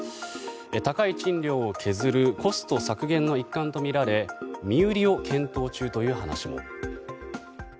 高い賃料を削るコスト削減の一環とみられ身売りを検討中という話も。